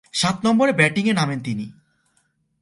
সাত নম্বরে ব্যাটিংয়ে নামেন তিনি।